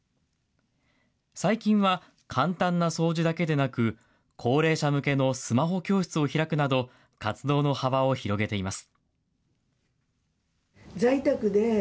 最近は簡単な掃除だけでなく、高齢者向けのスマホ教室を開くなど、活動の幅を広げています。